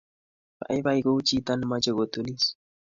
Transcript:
Baibai ku chito nemeche kotunis